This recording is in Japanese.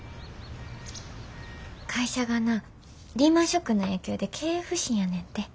会社がなリーマンショックの影響で経営不振やねんて。